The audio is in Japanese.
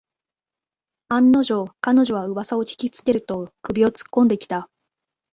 案の定、彼女はうわさを聞きつけると首をつっこんできた